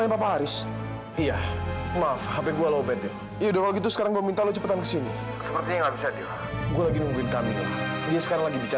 sampai jumpa di video selanjutnya